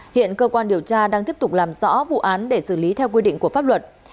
hiện cơ quan điều tra đang tiếp tục làm rõ vụ án để xử lý theo quy định của pháp luật